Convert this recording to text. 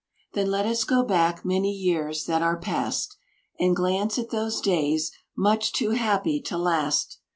Then let us go back many years that are past, And glance at those days much too happy to last.